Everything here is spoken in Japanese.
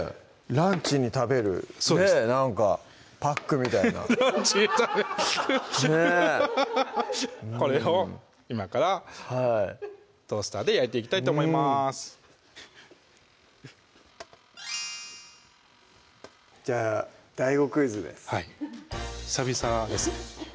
ランチに食べるねなんかパックみたいなこれを今からトースターで焼いていきたいと思いますじゃあＤＡＩＧＯクイズですはい久々ですね